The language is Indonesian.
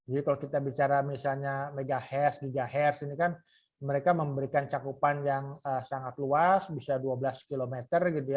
jadi kalau kita bicara misalnya megahertz gigahertz ini kan mereka memberikan cakupan yang sangat luas bisa dua belas km gitu ya